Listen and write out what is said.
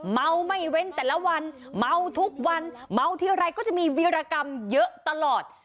เมาไม่เว้นแต่ละวันเมาทุกวันเมาทีไรก็จะมีวิรากรรมเยอะตลอด